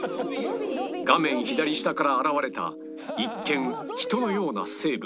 画面左下から現れた一見人のような生物